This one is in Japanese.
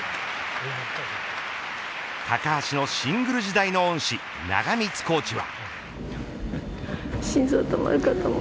高橋のシングル時代の恩師長光コーチは。